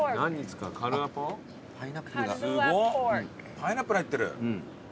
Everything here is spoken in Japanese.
パイナップル入ってる。